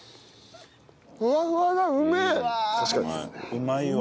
うまいわ。